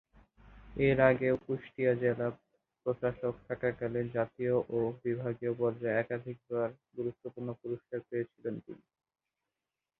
এর আগেও কুষ্টিয়া জেলা প্রশাসক থাকাকালে জাতীয় ও বিভাগীয় পর্যায়ে একাধিকবার গুরুত্বপূর্ণ পুরস্কার পেয়েছিলেন তিনি।